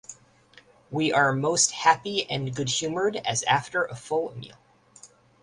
We are most happy and good-humored as after a full meal.